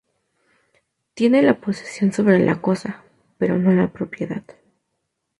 Tiene la posesión sobre la cosa, pero no la propiedad.